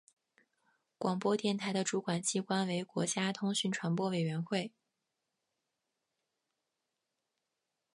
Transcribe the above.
广播电台的主管机关为国家通讯传播委员会。